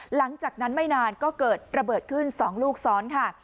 หลังจากนั้นไม่นานก็เกิดระเบิดขึ้น๒ลูกซ้อนค่ะ